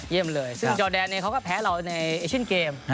เลยซึ่งจอแดนเนี่ยเขาก็แพ้เราในเอเชียนเกม